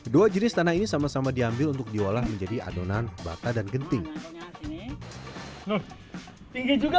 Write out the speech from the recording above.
dua jenis tanah ini sama sama diambil untuk diolah menjadi adonan bata dan genting tinggi juga